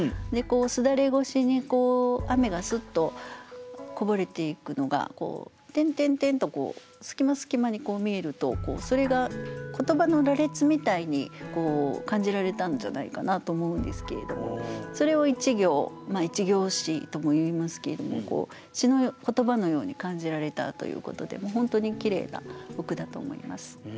簾越しに雨がすっとこぼれていくのが点々々と隙間隙間に見えるとそれが言葉の羅列みたいに感じられたんじゃないかなと思うんですけれどもそれを一行まあ一行詩とも言いますけれども詩の言葉のように感じられたということで本当にきれいなお句だと思います。